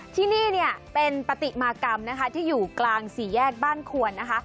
ที่นี่เป็นปฏิมากรรมที่อยู่กลางสี่แยกบ้านขวน